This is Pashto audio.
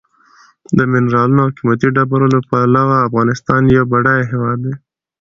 د منرالو او قیمتي ډبرو له پلوه افغانستان یو بډایه هېواد دی.